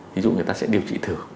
ví dụ người ta sẽ điều trị thử